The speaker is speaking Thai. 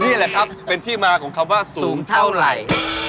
นี่แหละครับเป็นที่มาของคำว่าสูงเท่าไหร่